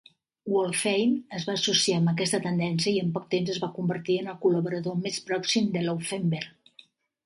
Wolffheim es va associar amb aquesta tendència i en poc temps es va convertir en el col·laborador més pròxim de Laufenberg.